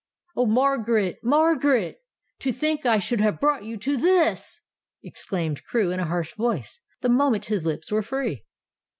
"Oh, Margaret! Margaret! To think I should have brought you to this!" exclaimed Crewe in a harsh voice, the moment his lips were free.